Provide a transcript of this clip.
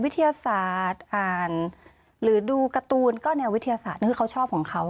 การ์ตูนก็แนววิทยาศาสตร์นั่นคือเขาชอบของเขา